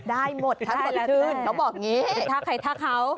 ได้หมดทั้งละถือเขาบอกอย่างนี้